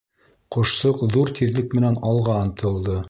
Ҡошсоҡ ҙур тиҙлек менән алға ынтылды.